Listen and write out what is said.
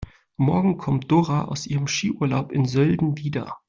Morgen kommt Dora aus ihrem Skiurlaub in Sölden wieder.